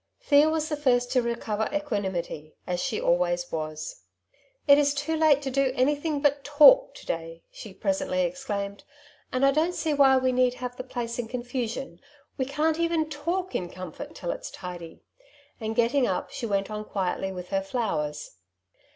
Thea was the first to recover equanimity, as she always was. ^^ It is too late to do anything but talk to day," she presently exclaimed, ^' and I don't see why we need have the place in confusion ; we can't even iaXh in comfort till it's tidy.'' And getting up she went on quietly with her flowers.